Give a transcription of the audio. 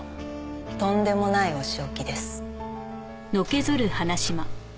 とんでもないお仕置きです。